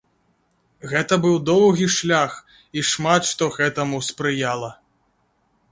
Гэты быў доўгі шлях, і шмат што гэтаму спрыяла.